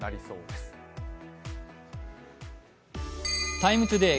「ＴＩＭＥ，ＴＯＤＡＹ」